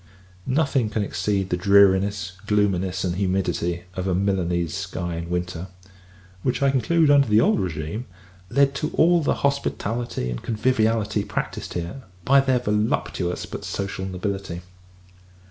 Nothing can exceed the dreariness, gloominess, and humidity, of a Milanese sky in winter; which, I conclude, under the old regime, led to all the hospitality, and conviviality, practised here, by their voluptuous but social nobility.